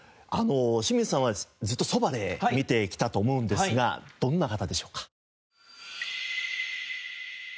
清水さんはずっとそばで見てきたと思うんですがどんな方でしょうか？